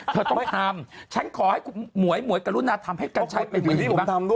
เธอต้องทำฉันขอให้หมวยกับลูนาทำให้กันใช่เป็นอย่างนี้บ้าง